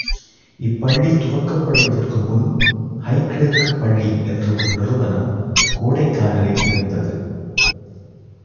இப்பள்ளி துவக்கப்படுவதற்கு முன் ஹைகிளெர்க் பள்ளி என்ற ஒரு நிறுவனம் கோடைக்கானலில் இருந்தது.